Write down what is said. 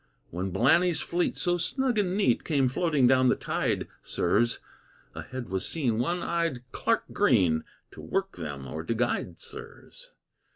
When Blanny's fleet, so snug and neat, Came floating down the tide, sirs, Ahead was seen one eyed Clark Green, To work them, or to guide, sirs.